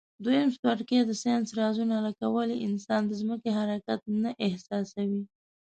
دویم څپرکی د ساینس رازونه لکه ولي انسان د ځمکي حرکت نه احساسوي.